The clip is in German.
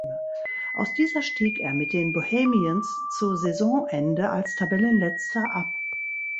Aus dieser stieg er mit den Bohemians zu Saisonende als Tabellenletzter ab.